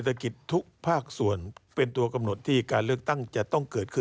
จะไม่ได้มาในสมัยการเลือกตั้งครั้งนี้แน่